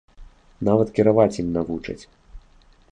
Нават кіраваць ім навучаць.